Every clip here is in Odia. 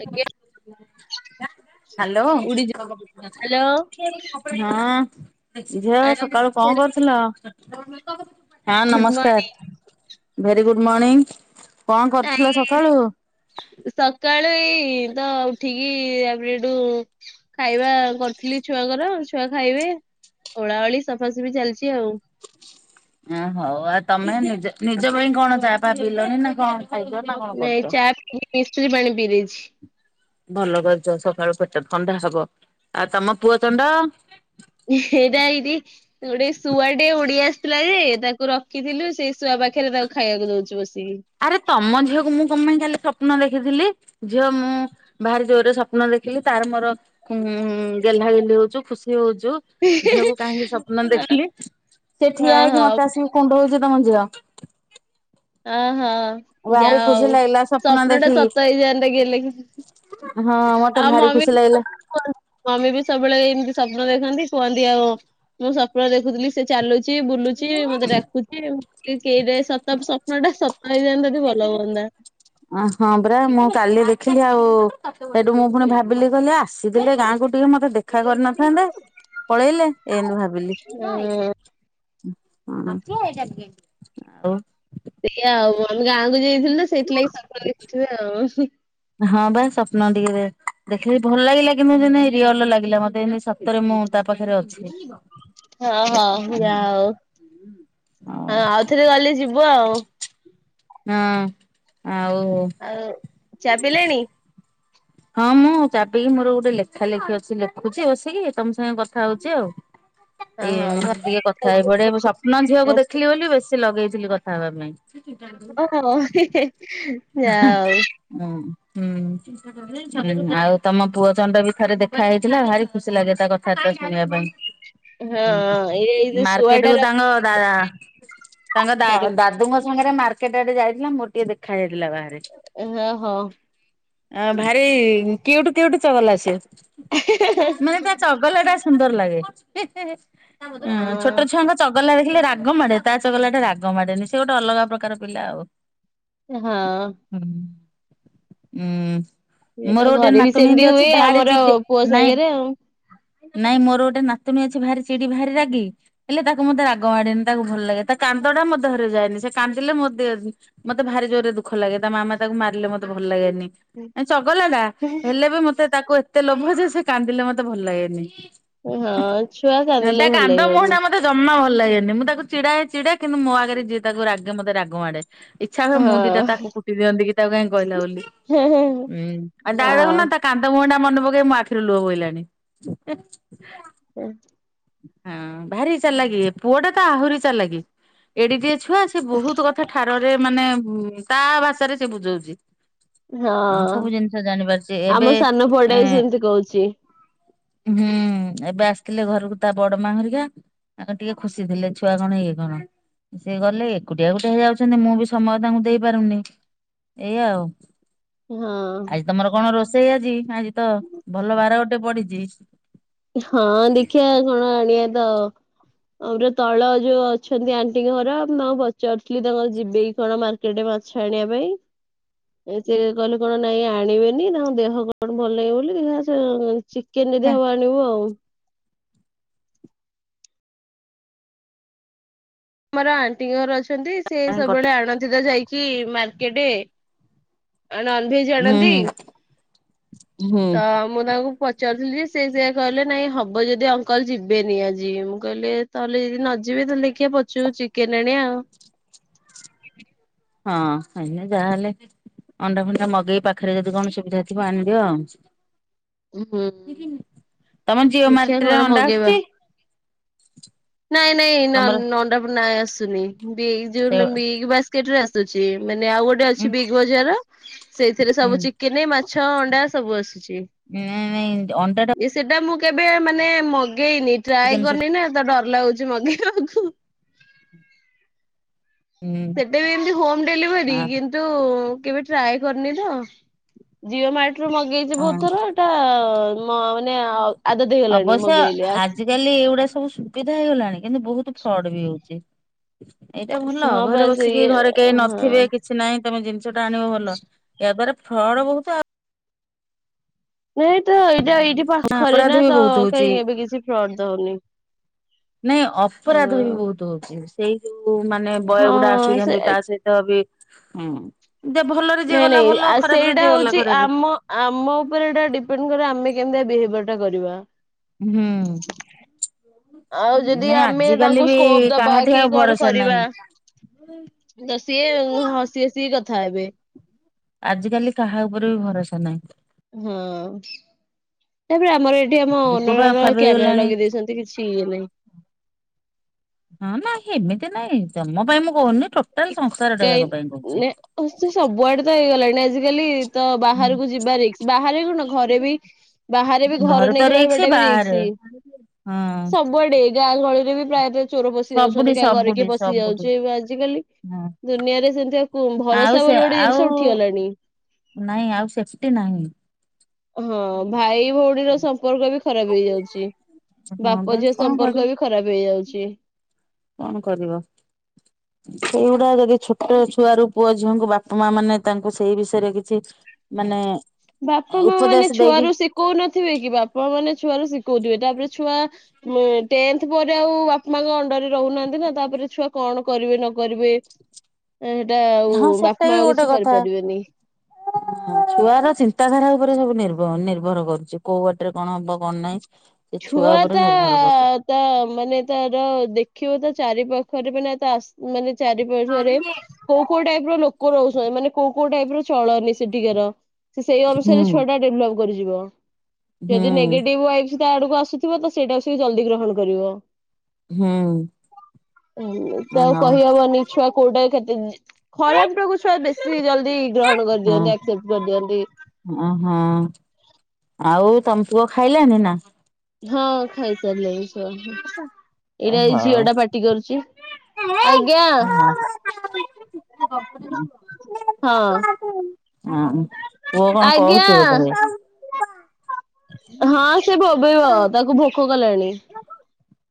ଆଜ୍ଞା ହ୍ୟାଲୋ। ହଁ ଉଡିଯିବ ହ୍ୟାଲୋ। ଝିଅ ସକାଳୁ କଣ କରୁଥିଲ? ହଁ ଗୁଡ୍ ନମସ୍କାର ଭେରି ଗୁଡ୍ ମର୍ଣ୍ଣିିଂ। [unintelligible] ସକାଳୁ ଏଇ ତ ଉଠିକି ତାପରେ ଏଠୁ ଖାଇବା କରିଥିଲି ଛୁଆଙ୍କର ଛୁଆ ଖାଇବେ ଓଳା ଓଳି ସଫାସଫି ଚାଲିଛି ଆଉ। ଓ ହଉ ଆଉ ତମେ ନିଜ ନିଜ ପାଇଁ କଣ ଚାହା ଫାଆ ପିଇଲଣି ନା କଣ? [unintelligible] ନାଇଁ ଚା ପା ମିଶ୍ରି ପାଣି ପିଇ ଦେଇଛି। ଭଲ କରିଛ ସକାଳୁ ପେଟ ଥଣ୍ଡା ହବ। ଆଉ ତମ ପୁଅ ଚଣ୍ଡ? ଏଇଟା ଏଇଠି ଗୋଟେ ଶୁଆଟେ ଉଡ଼ି ଆସିଥିଲା ଯେ ତାକୁ ରଖିଥିଲୁ ସେ ଶୁଆ ପାଖରେ ତାକୁ ଖାଇବାକୁ ଦଉଛୁ ବସିକି। ଆରେ ତମ ଝିଅକୁ ମୁଁ କଣ ପାଇଁ କାଲି ସ୍ଵପ୍ନ ଦେଖିଥିଲି? ଝିଅ ମୁଁ ଭାରି ଜୋରରେ ସ୍ୱପ୍ନ ଦେଖିଲି ତାର ମୋର ଗେହ୍ଲା ଗେଲି ହଉଚୁ ଖୁସି ହଉଛୁ। ଝିଅକୁ କାହିଁକି ସ୍ୱପ୍ନ ଦେଖିଲି? ସେ ହଁ ଠିଆ ହେଇକି ହଁ ମୋତେ ଆସିକି କୁଣ୍ଢାଉଛି ତମ ଝିଅ। ଅହୋ ଭାରି ଯାଅ ଖୁସି ଆଉ ଲାଗିଲା ସ୍ୱପ୍ନ ସ୍ୱପ୍ନଟା ସତ ଦେଖିକି ହେଇ ଯାଆନ୍ତା କି ଗଲେ କି? ହଁ ମତେ ଆଉ ଭାରି ମମି ଖୁସି [unintelligible] ଲାଗିଲା କୁହ ମମି ବି ସବୁବେଳେ ଏମିତି ସ୍ୱପ୍ନ ଦେଖନ୍ତି କୁହନ୍ତି। ଆଉ ମୁଁ ସ୍ୱପ୍ନ ଦେଖୁଥିଲି ସେ ଚାଲୁଛି, ବୁଲୁଚି, ମତେ ଡାକୁଛିଟ ସତ ସ୍ୱପ୍ନଟା [unintelligible] ଭଲ ହୁଅନ୍ତା। ଅ ହଁ ପରା ମୁଁ କାଲି ଦେଖିଲି ଆଉ ସେଇଠୁ ମୁଁ ପୁଣି ଭାବିଲି କହିଲି ଆ [unintelligible] ଗାଁକୁ ଟିକେ ମତେ ଦେଖା କରିନଥାନ୍ତା ପଳେଇଲେ ଏମିତି ଭାବିଲି? ହଁ। [unintelligible] ସେଇ ଆଉ ଆମେ ଗାଁକୁ ଯାଇଥିଲୁ ନା ସେଇଥିଲାଗି ସ୍ଵପ୍ନ ଦେଖିଥିବେ ଆଉ। ହଁ ବା ସ୍ୱପ୍ନ ଟିକେ ଦେଖିଲ ଭଲ ଲାଗିଲା କିନ୍ତ ଯେ ରିଅଲ ଲାଗିଲା ମତେ ରେ ମୁଁ ତା ପାଖରେ ଅଛି। [unintelligible] ହଁ ଆ ଆଉଥରେ ଗଲେ ଯିବ ଆଉ। ହଁ ଆଉ ଆଉ ଚା ପିଲେଣି? ହଁ ମୁଁ ଚାବିକି ମୋର ଗୋଟେ ଲେଖା ଲେଖି ଅଛି ଲେଖୁଛି ବସିକି ତମ ସାଙ୍ଗେ କଥା ହଉଛି ଆଉ। ହଁ ହଁ ଏଇ ଟିକେ ଘରେ କଥା ହେଇ ସବୁ ପଡେ ରୋଷେଇ ସ୍ୱପ୍ନ ଝିଅକୁ ହଁ ଦେଖିଲି ବୋଲି ବେଶୀ ଲଗେଇଥିଲି କଥା ହେବା ପାଇଁ। [unintelligible] ଓଃ। [unintelligible] ହଁ ହୁଁ। ହୁ ଆଉ ତମ ପୁଅ ଚଣ୍ଡ ବି ଥରେ ଦେଖା ହେଇଥିଲା। ଭାରି ଖୁସି ଲାଗେ ତା କଥାବାର୍ତ୍ତା ଶୁଣିବା ପାଇଁ। ହଁ ଏଇ ଯୋଉ ଶୁଆଟା ମାର୍କେଟକୁ ରଖି ତାଙ୍ଗ ଦାଦା ତାଙ୍କ ଦାଦୁଙ୍କ ସାଙ୍ଗରେ ମାର୍କେଟ ଆଡେ ଯାଇଥିଲା। ମୋର ଟିକେ ଦେଖା ଯାଇଥିଲା ବା ହଁ। ଆ ଭାରି କିଉଟ କିଉଟ ଚଲଲା ସେ ମାନେ ତା ଚଗଲଟା ସୁନ୍ଦର ଲାଗେ ଛୋଟ ଅ ଛୁଆଙ୍କ ଚ ଚଗଲା ଦେଖିଲେ ରାଗ ମାଡ଼େ ତା ଚଗଲା ଟେ ରାଗ ମାଡ଼େନି ସେ ଗୋଟେ ଅଲଗା ପ୍ରକାର ପିଲା ଆଉ। ହଁ। ହଁ ହୁଁ। ଇଏ ତ ମୋର ଗୋଟେ ଘରେ ବି ନାତୁଣୀ ସେମିତି ଏମିତି ହୁଏ ଅଛି। ଭାରି ଆମର ଜିଦି ପୁଅ ନାଇଁ ସାଙ୍ଗରେ ଆଉ। ନାଇଁ ମୋର ଗୋଟେ ନାତୁଣୀ ଅଛି ଭାରି ଚିଡି ଭାରି ରାଗି। ହେଲେ ତାକୁ ମତେ ରାଗ ମାଡେନି ତାକୁ ଭଲ ଲାଗେ ତା କାନ୍ଦଟା ମୋ ଦେହରେ ଯାଏନି ସେ କାନ୍ଦିଲେ ମୋ ମତେ ଭାରି ଜୋରରେ ଦୁଃଖ ଲାଗେ ତା ମାମା ତାକୁ ମାରିଲେ ମତେ ଭଲ ଲାଗେନି ଚଗଲା ଟା ହେଲେ ବି ମତେ ତାକୁ ଏତେ ଲୋଭ ଯେ ସେ କାନ୍ଦିଲେ ମତେ ଭଲ ଲାଗେନି। ହଁ ଛୁଆ ତା କାନ୍ଦିଲେ ଭଲ କାନ୍ଦ ମୁହଁ ଲାଗିବନି। ଟା ମତେ ଜମା ଭଲ ଲାଗେନି ମୁଁ ତାକୁ ଛିଡାଏ ଚିଡେ କିନ୍ତୁ ମୋ ଆଗରେ ଯିଏ ତାକୁ ରାଗେ ତାକୁ ମତେ ରାଗ ମାଡେ। ଇଚ୍ଛା ହୁଏ ମୁଁ ଦିଟା ତାକୁ କୁଟି ଦିଅନ୍ତି କି ତାକୁ କାହିଁକି କହିଲା ବୋଲି ହଁ ହୁଁ କାନ୍ଦ ମୁହଁଟା ମନେ ପକେଇକି ମୋ ଆଖି ରୁ ଲୁହ ବାହାରିଲାଣି। [unintelligible] ହୁଁ ଭାରି ଚାଲାକି ପୁଅଟା ତା ଆହୁରି ଚାଲାକି। ଏଡିକିଏ ଛୁଆ ସେ ବହୁତ୍ କଥା ଠାର ରେ ମାନେ ତା ଭାଷା ରେ ସେ ବୁଝଉଛି। ହଁ ସବୁ ଜିନିଷ ଜାଣି ପାରୁଛି ଆମ ଏବେ ସାନ ପୁଅଟା ବି ହେଁ। ସେମିତି କହୁଛି। ହୁଁ, ଏବେ ଆସିଥିଲେ ଘରକୁ। ତା ବଡ଼ ମାଆ ହେଇକା ତାଙ୍କର ଟିକେ ଖୁସି ଥିଲେ ଛୁଆ କଣ ୟେ କଣ? ସେ ଗଲେ ଏକୁଟିଆ ଗୋଟେ ହୋଇଯାଉଛନ୍ତି ମୁଁ ବି ସମୟ ତାଙ୍କୁ ଦେଇ ପାରୁନି। ଏଇ ଆଉ। ହଁ। ଆଜି ତମର କଣ ରୋଷେଇ ଆଜି ଆଜି ତ ଭଲ ବାର ଗୋଟେ ପଡ଼ିଛି। ହଁ ଦେଖିବା କଣ ଆଣିବା ତ। ଆମର ତଳ ଯ ଅଛନ୍ତି ଆଣ୍ଟିଙ୍କ ଘର ତାଙ୍କୁ ପଚାରୁ ଥିଲି ତାଙ୍କର ଯିବେ କି କଣ ମାର୍କେ। କେଡ଼େ ମାଛ ଆଣିବା ପାଇଁ ସିଏ କହିଲେ କଣ ନାଇଁ ଆନିବେନି ତାଙ୍କ ଦେହ କଣ ଭଲ ଲାଗିବ ବୋଲି ଦେଖିବା ସେ ଚି କିଏ ଯଦି ଆଣିବୁ ଆଉ। ଆମର ଆଣ୍ଟିଙ୍କର ଘର ଅଛନ୍ତି ସେ ସବୁ ବେଳେ ଆଣନ୍ତି ତୋ ଯାଇକି ମାର୍କେଟ। ନନଭେଜ୍ ହୁଁ ଆଣନ୍ତି ହୁଁ ହୁଁ ତ। ମୁଁ ତାଙ୍କୁ ପଚାରୁ ଥିଲି ଯେ ସେ ସେୟା କହିଲେ ନାଇ ହେବ ଯଦି ଅଙ୍କଲ ଯିବେ ନି ଆଜି ମୁଁ କହିଲି ତା ହେଲେ ନ ଯିବେ ଯଦି ଦେଖିବା ପଛକୁ ଚିକେନ ଆଣିବା ଆଉ। ହଁ ବାହା ହେଲେ। ଅଣ୍ଡା ପଣ୍ଡା ମଗେଇ ପାଖରେ ଯଦି କଣ ସୁବିଧା ଥିବ ଆଣିଦିଅ ଆଉ। ହୁଁ ତମ ଜିଓ ଦେଖିବା ମାର୍ଟରେ କଣ ଅଣ୍ଡା ମଗେଇବା ଆସୁଛି? ନାଇଁ ନାଇଁ ତମର ଅଣ୍ଡା ଫଣ୍ଡା ଆସୁନି। ସେ ଉଁ [unintelligible] କିଟରେ ଆସୁଛି ମାନେ ଆଉ ଗୋଟେ ହୁଁ ଅଛି ବିଗ୍ ବଜାର ସେଇ ଥିରେ ସବୁ ଚିକେନ ଚିକେନ, ମାଛ, ଅଣ୍ଡା ସବୁ ଆସୁଛି। ହୁଁ ନାଇ ଅଣ୍ଡା ଟା ସେଟା ମୁଁ କେବେ ମାନେ ମଗେଇନି ଟ୍ରାଏ କରିନି ନା ତୋ ଡ଼ର ଲାଗୁଛି ମଗେଇବାକୁ। ହୁଁ ସେଟେ ବି ଏମିତି ହୋମ ଡେଲିଭରୀ। ହଁ ଥୁ କେବେ ଟ୍ରାଏ କରିନି ତ ଜିଓ ମାର୍ଟ ରୁ ମଗେଇଛି ବହୁତ୍ ଥର। ମୋ ମାନେ ଆଦତ ହେଇ ଗଲାଣି ମଗେଇଲେ। ହେଇ ଏଇଗୁଡ଼ା ସବୁ ସୁବିଧା ହେଇ ଗଲାଣି କିନ୍ତୁ ବହୁତ୍ ଫ୍ରଡ ବି ହେଉଛି। ଏଇଟା ଭଲ ଆସ ହଁ ଘରେ ବାସ୍ ବସିକି ଇଏ ଘରେ କେହି ନ ହଁ। ଥିବେ କି କିଛି ନାଇଁ ତମେ ଜିନିଷଟା ଆଣିବ ଭଲ ଏହା ଦ୍ଵାରା ଫ୍ରଡ ବହୁତ ଆଉ ନାଇଁ ତ ଏଇଟା ଏଇଠି ପାଖରେ ଅପରାଧ ନା ବି ତ ବହୁତ କାଇଁ ହଉଛି। କେବେ କିଛି ଫ୍ରଡ ଦଉନି। ନାଇଁ ଅପରାଧ ବି ବହୁତ ହଉଛି ସେଇ ଯୋଉ ମାନେ ବୟ ଗୁଡା ହଁ ସେ ଆସୁଛନ୍ତି ତା ସହିତ। ତ ବି ହୁଁ ଯ ଭଲରେ ଯିଏ ନାଇଁ ଗଲା ଭଲ ନାଇଁ ଖରାପ ରେ ସେଇଟା ଯିଏ ଗଲା ହଉଛି ଖରାପ। ଆମ ଆମ ଉପରେ ଏଟା ଡିପେଣ୍ଡ କରେ ଆମେ କେମିତିଆ ବିହେଭିୟର ଟା କରିବା। ହୁଁ। ଆଉ ଯଦି ଆମେ ତାଙ୍କୁ ସ୍କୋପ୍ ଦେବା କାହାଠି କି ଆଉ କଣ ଭରସା କରିବା। ନାହିଁ [unintelligible] ତ ସିଏ ହସି ହସି କଥା ହେବେ। ଆଜି କାଲି କାହା ଉପରେ ବି ଭରସା ନାହିଁ। ହୁଁ। ତାପରେ ଆମର ଏଠି ଆମ ଯୁଗ ବା ଓନରର ଖରାପ କ୍ୟାମେରା ହେଇଗଲାଣି ଲଗେଇଦେଇଛନ୍ତି କିଛି ଇଏ ନାହିଁ। ହଁ ନା ନାଇଁ ହେମିତି ନାଇଁ। ତମ ପାଇଁ ମୁଁ କହୁନି, ଟୋଟାଲ ସଂସାର ଟା କାଇଁ ଜାକ ପାଇଁ କହୁଛି। ନେ ସେ ସବୁଆଡେ ତ ହେଇଗଲାଣି। ଆଜିକାଲି ତ ବାହାରକୁ ଯିବା ରିକସ୍। ବାହାରେ କଣ ଘରେ ବି ବାହାରେ ବି ଘର ଘରେ ତ ନେଇକି ରିକ୍ସ ରହିବାଟା ବି ବାହାରେ ରିକସ୍। ହଁ। ସବୁଆଡେ ଗାଁ ଗହଳିରେ ବି ପ୍ରାୟତଃ ଚୋର ପଶି ସବୁଠି ଯାଉଛନ୍ତି। କା ଘରେ ସବୁଠି କି ପଶି ସବୁଠି ଯାଉଛି। ଆଜିକାଲି ହଁ ଦୁନିଆରେ ସେମତି ଆ କୋ ଆଉ ଭରସା ସେ ବୋଲି ଗୋଟେ ଆଉ ଜିନିଷ ଉଠିଗଲାଣି। ନାଇଁ ଆଉ ସେଫଟି୍ ନାହିଁ। ହଁ ଭାଇ ଭଉଣୀର ସମ୍ପର୍କ ବି ଖରାପ ହେଇଯାଉଛି। ହଁ ବା ବାପ ଝିଅ କଣ କରିବ ସମ୍ପର୍କ ବି ଖରାପ ହେଇଯାଉଛି। କଣ କରିବ? ସେଇଗୁଡା ଯଦି ଛୋଟ ଛୁଆ ରୁ ପୁଅ ଝିଅଙ୍କୁ ବାପା ମା ମାନେ ତାଙ୍କୁ ସେଇ ବିଷୟରେ କିଛି ମାନେ ବାପା ମା ମାନେ ଉପଦେଶ ଦେଇକି ଛୁଆରୁ ଶିଖଉନଥିବେ କି, ବାପା ମା ମାନେ ଛୁଆରୁ ଶିଖଉଥିବେ। ତାପରେ ଛୁଆ ଉଁ ଟେନଥ୍ ପରେ ଆଉ ବାପା ମାଙ୍କ ଅଣ୍ଡରରେ ରହୁନାହାନ୍ତି ନା। ତାପରେ ଛୁଆ କଣ କରିବେ ନ କରିବେ, ସେଇଟା ଆଉ ହଁ ସେଟା ବାପା ବି ମା ଆଉ ଗୋଟେ କିଛି କଥା। କରିପାରିବେନି। ଛୁଆର ଚିନ୍ତାଧାରା ଉପରେ ସବୁ ନିର୍ଭ ନିର୍ଭର କରୁଚି। କୋଉ ବାଟରେ କଣ ହବ କଣ ନାହିଁ, ସେ ଛୁଆ ଉପରେ ନିର୍ଭର କରୁଚି। ତା ମାନେ ତାର ଦେଖିବ ତ ଚାରି ପାାଖରେ ମାନେ ତ ଆସ ମାନେ ଚାରିପାଖରେ କୋଉ କୋଉ ଟାଇପ ର ଲୋକ ରହୁଛ ମାନେ କୋଉ କୋଉ ଟାଇପ ର ଚଳନି ସେଠିକାର, ସେ ସେଇ ହୁଁ ଅନୁସାରେ ଛୁଆ ଟା ଡେଭଲପ କରିଯିବ। ହୁଁ ଯଦି ନେ [unintelligible] ତା ଆଡକୁ ଆସୁଥିବ ତ ସେଇଟାକୁ ସେ ଜଲଦି ଗ୍ରହଣ କରିବ। ହୁଁ। ତ ଆଉ ହଉ କହିହବନି ଛୁଆ କୋଉଟା କେତେ ଖରାପ ଟାକୁ ଛୁଆ ବେଶୀ ଜଲଦି ଗ୍ରହଣ କରିଦିଅନ୍ତି। ଆକ୍ସେ୍ପ୍ଟ କରିଦିଅନ୍ତି। ଅ ହଁ।। ଆଉ ତମ ପୁଅ ଖାଇଲାଣି ନା? ହଁ ଖାଇସାରିଲଣି ଛୁଆ। ଏଇଟା ଏଇ ଝିଅ ହଉ। ଟା ପାଟି କରୁଚି। ଆଜ୍ଞା! [unintelligible] ହଁ ପୁଅ କଣ କହୁଚି ଆଜ୍ଞା ବୋଧେ? ହଁ ସେ ବୋବେଇବ ତାକୁ ଭୋକ କଲାଣି। [unintelligible]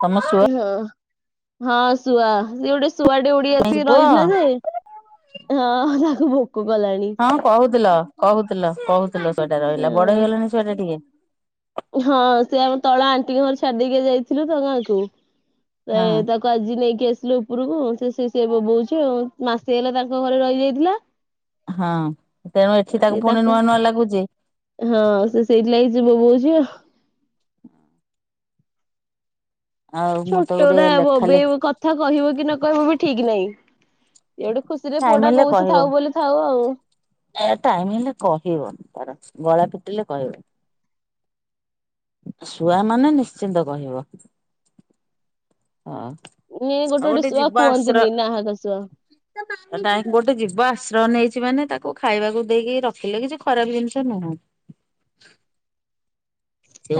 ତମ ଶୁ ହଁ। ହଁ ଶୁଆ ସେ ଗୋଟେ ଶୁଆଟେ ଉଡି ଆସିକି ପୁଅ ରହିଥିଲା ଯେ, ହଁ ତାକୁ ଭୋକ କଲାଣି। ହଁ କହୁଥିଲ, କହୁଥିଲ, କହୁଥିଲ ଶୁଆଟା ଅ ରହିଲା। ବଡ ହେଇଗଲାଣି ଶୁଆଟା ଟିକେ? ହଁ ସେ ଆମ ତଳ ଆଣ୍ଟି ଘର ଛାଡି ଦେଇକି ଯାଇଥିଲୁ ତ ଗାଁକୁ। ସେ ହଁ ତାକୁ ତ ଆଜି ନେଇକି ଆସିଲୁ ଉପରକୁ, ସେ ସେ ସେ ବୋ ବୋଉଚି ଆଉ। ମାସେ ହେଲା ତାଙ୍କ ଘରେ ରହିଯାଇଥିଲା। ହଁ। ତେଣୁ ଏଠି ତାକୁ ସିଏ ପୁଣି ନୂଆ ତାଙ୍କ ନୂଆ ଲାଗୁଚି। ହଁ ସେ ସେଇଥି ଲାଗି ସେ ବୋବୋଉଚି ଆଉ। [inaudible] ଆଉ ମୁଁ ତ ଗୋଟେ ଛୋଟଟା ଲେଖା ଲେଖି ବୋବେଇବ କଥା କହିବ କି ନ କହିବ ବି ଠିକ୍ ନାହିଁ। ଇଆଡ଼ୁ ଖୁସିରେ ଟାଇମ ପୁଅଟା କହୁଚି ଥାଉ ବୋଲି ଥାଉ ଆଉ। ତା ଟାଇମି ହେଲେ କହିବ ତାର ଗଳା ଫିଟିଲେ କହିବ। ଶୁଆ ମାନେ ନିଶ୍ଚିନ୍ତ କହିବ। ହଁ। ନିଏ ଆଉ ଗୋଟେ ଗୋଟେ ଶୁଆ ଜୀବ ଆଶ୍ରୟ କୁହନ୍ତିନି ନାହା ଦୋଶ। [unintelligible] ଗୋଟେ ଜୀବ ଆଶ୍ରୟ ନେଇଚି ମାନେ ତାକୁ ଖାଇବାକୁ ଦେଇକି ରଖିଲେ କିଛି ଖରାପ ଜିନିଷ ନୁହଁ। [inaudible]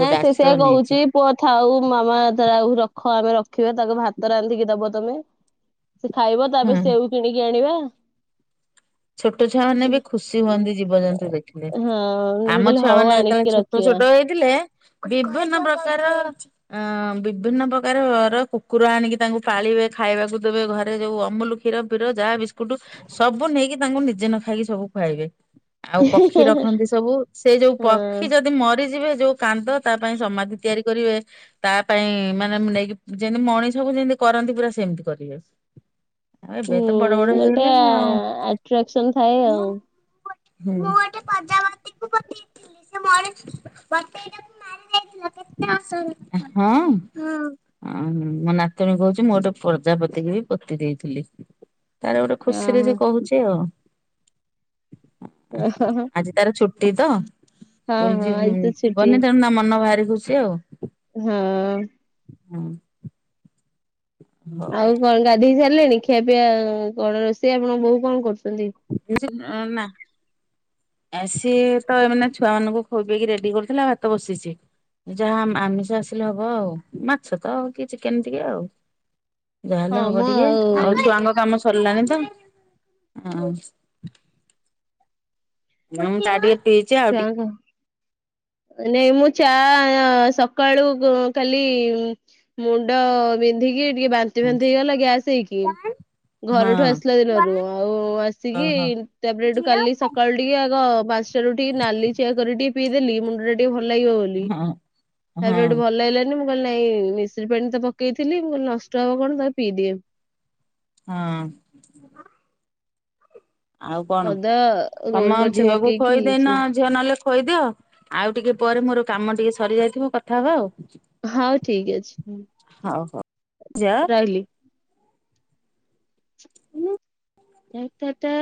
ଗୋଟେ ସେ ଆଶ୍ରୟ ସେଇଆ ନେଇଛି କହୁଛି। ପୁଅ ଥାଉ ମାମା ଦ୍ରାଉ ରଖ ଆମେ ରଖିବା ତାକୁ ଭାତ ରାନ୍ଧିକି ଦବ ତମେ। ସେ ଖାଇବ ତା ପାଇଁ ହୁଁ ସେଉ କିଣିକି ଆଣିବା। ଛୋଟ ଛୁଆ ମାନେ ବି ଖୁସି ହୁଅନ୍ତି ଜୀବଜନ୍ତୁ ଦେଖିଲେ। ହଁ ମୁଁ ଆମ କହିଲି ଛୁଆ ହଉ ମାନେ ଯେତେବେଳେ ଆଣିକି ଛୋଟ ରଖିବା। ଛୋଟ ହେଇଥିଲେ ବିଭିନ୍ନ ପ୍ରକାର ଆଁଅଁ ବିଭିନ୍ନ ପ୍ରକାରର କୁକୁର ଆଣିକି ତାଙ୍କୁ ପାଳିବେ ଖାଇବାକୁ ଦେବେ ଘରେ ଯୋଉ ଅମୁଲୁ ଖି କ୍ଷୀର ପିର ଯାହା ବିସ୍କୁଟୁ ସବୁ ନେଇକି ତାଙ୍କୁ ନିଜେ ନ ଖାଇକି ସବୁ ଖୁଆଇବେ। ଆଉ ପକ୍ଷୀ ରଖନ୍ତି ସବୁ ସେଇ ଯୋଉ ପକ୍ଷୀ ହଁ ଯଦି ମରିଯିବେ ଯୋଉ କାନ୍ଦ ତା ପାଇଁ ସମାଧି ତିଆରି କରିବେ। ତା ପାଇଁ ମାନେ ମୁଁ ନେଇକି ଯେମିତି ମଣିଷକୁ ଯେମିତି କରନ୍ତି ପୁରା ସେମିତି କରିବେ। ଆଉ ଏବେ ତ ବଡ଼ ବଡ଼ ହେଇଗଲେଣି ଆଉଁ। ଖିଆକ୍ସନ୍ ଥାଏ ଆଉ। ମୁଁ ଗୋଟେ ହୁଁ ମୁଁ ଗୋଟେ ପ୍ରଜାବତି କୁ ବଞ୍ଚେଇଥିଲି ସେ [unintelligible] [unintelligible] ହଁ ହଁ ଅଂ ମୋ ନାତଣୀ କହୁଛି ମୁଁ ଗୋଟେ ପ୍ରଜାପତିକି ବି ପୋତି ଦେଇଥିଲି। ତାର ଗୋଟେ ଖୁସିରେ ଓହୋ ଜିଏ କହୁଛି ଆଉ ହଁ [inaudible] ଆଜି ତାର ଛୁଟି ତ କୁଲ୍ ହଁ ଆଜି ଯିବୁନି ତ ଛୁଟି ଯିବନି ତେଣୁ ଣମ ମନ ଭାରି ଖୁସି ଆଉ। ହଁ। ହଁ। ଆଉ କଣ ଗାଧେଇ ସାରିଲଣି ଖିଆ ପିଆ କଣ ରୋଷେଇ ଆପଣ ବୋହୁ କଣ କରୁଛନ୍ତି? [unintelligible] ଆ ସିଏ ତ ଏମାନେ ଛୁଆ ମାନଙ୍କୁ ଖୋଇପେଇକି ରେଡ଼ି କରିଥିଲା ଭାତ ବସିଛି। ନିଜ ହାମ୍ ଆମିଷ ଆସିଲେ ହବ ଆଉ ମାଛ ତ ଆଉ କି ଚିକେନ୍ ଟିକିଏ ଆଉ। ଯାହେଲେ ହଁ ହବ ମୋ ଟିକେ। ଆଉ ଛୁଆଙ୍କ କାମ ସରିଲାଣି ତ ଆଉ। [unintelligible] ଛୁଆଁଙ୍କ ନେମୁ ଚା ଏଅଁ ସକାଳୁ ଗୋ କାଲି ମୁଣ୍ଡ ବିନ୍ଧିକି ଟିକେ ବାନ୍ତି ଫାନ୍ତି ହେଇଗଲା ଗ୍ୟାସ ହେଇକି। ଘରୁଠୁ ହଁ। ଆସିଲା ଦିନରୁ ଆଉ ଆସିକି ଓହୋ। ତାପରେ ଏଠୁ କାଲି ସକାଳୁ ଟିକିଏ ଆଗ ବାସରୁ ଉଠିକି ନାଲି ଚା କରିିକି ଟିକେ ପିଇଦେଲି ମୁଣ୍ଡ ଟା ଟିକେ ଭଲ୍ ଲାଗିବ ବୋଲ ଲି ହଁ ହଁ ତାପରେ ସେଠୁ ଭଲ୍ ଲାଗିଲାନ୍ ନି ମୁଁ କହିଲି ନାଇଁ ମିଶ୍ରୀ ପାଣି ତ ପକେଇଥିଲି ମୁଁ କହିଲି ନଷ୍ଟ ହବ କଣ ତାକୁ ପିଇଦିଏ। ହଁ। ଆଉ କଣ ଅଦା ତମ ଆମ୍ ଗୋଲମରିଚ ଝିଅକୁ ପକେଇକି ଖୋଇଦେଇନ ଚା। ଝିଅ ନହେଲେ ଖୋଇଦିଅ ଆଉ ଟିକେ ପରେ ମୋର କାମ ଟିକେ ସରିଯାଇଥିବ କଥା ହବା ଆଉ। ହଉ ଠିକ୍ ଅଛି ହୁଁ ଆ ହଉ ହଉ ଯା ରହିଲି। ଉଁହୁଁ। [unintelligible]